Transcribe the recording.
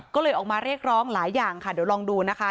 ก็เลยออกมาเรียกร้องหลายอย่างค่ะเดี๋ยวลองดูนะคะ